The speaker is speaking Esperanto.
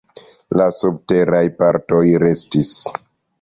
La subteraj partoj restis.